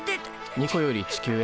ニコより地球へ。